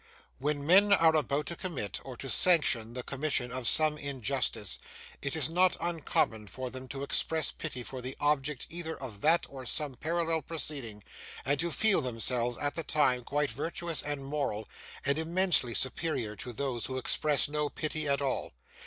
When men are about to commit, or to sanction the commission of some injustice, it is not uncommon for them to express pity for the object either of that or some parallel proceeding, and to feel themselves, at the time, quite virtuous and moral, and immensely superior to those who express no pity at all.